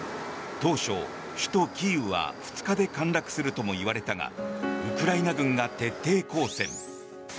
当初、首都キーウは２日で陥落するともいわれたがウクライナ軍が徹底抗戦。